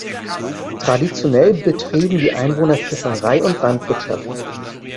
Traditionell betrieben die Einwohner Fischerei und Landwirtschaft.